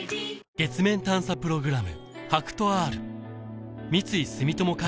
月面探査プログラム